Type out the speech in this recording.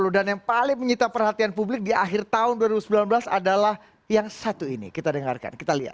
dan yang paling menyita perhatian publik di akhir tahun dua ribu sembilan belas adalah yang satu ini kita dengarkan kita lihat